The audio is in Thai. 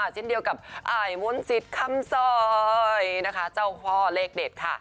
เช่นเดียวกับอายมนต์สิทธิ์คำซอยนะคะเจ้าพ่อเลขเด็ดค่ะ